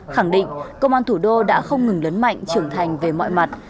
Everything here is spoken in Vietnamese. khẳng định công an thủ đô đã không ngừng lớn mạnh trưởng thành về mọi mặt